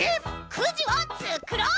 くじをつくろう！